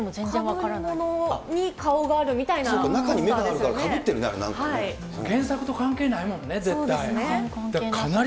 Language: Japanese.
かぶりものに顔があるみたい中に目があるから、かぶって原作と関係ないもんね、そうですね。